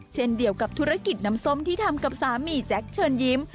เช่นเดียวกับธุรกิจน้ำส้มที่ทำกับสามีแจ๊คเชิญยิ้ม